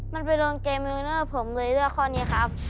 มันไปโดนเกมยูเนอร์ผมเลยเลือกข้อนี้ครับ